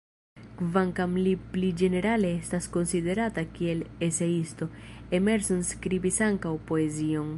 Kvankam li pli ĝenerale estas konsiderata kiel eseisto, Emerson skribis ankaŭ poezion.